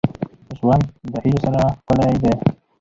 • ژوند د هيلو سره ښکلی دی.